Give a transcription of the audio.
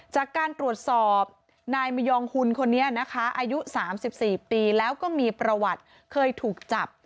จากการตรวจสอบนายมยองหุ่นคนนี้นะคะอายุ๓๔ปีแล้วก็มีประวัติเคยถูกจับ